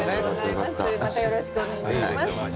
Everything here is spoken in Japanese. またよろしくお願いします。